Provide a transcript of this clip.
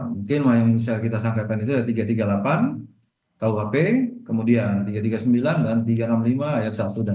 mungkin yang bisa kita sangkakan itu tiga ratus tiga puluh delapan kuhp kemudian tiga ratus tiga puluh sembilan dan tiga ratus enam puluh lima ayat satu dan dua